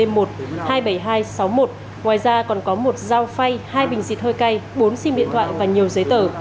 ngoài ra còn có một dao phay hai bình xịt hơi cay bốn sim điện thoại và nhiều giấy tờ